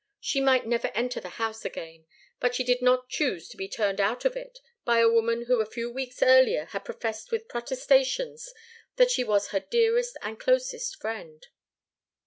She might never enter the house again, but she did not choose to be turned out of it by a woman who a few weeks earlier had professed with protestations that she was her dearest and closest friend.